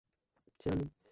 সে আর নেই!